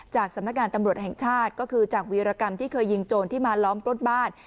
สำนักงานตำรวจแห่งชาติก็คือจากวีรกรรมที่เคยยิงโจรที่มาล้อมปล้นบ้าน